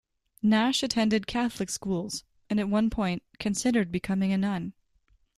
Nash attended Catholic schools, and at one point considered becoming a nun.